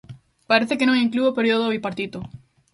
Parece que non inclúe o período do Bipartito.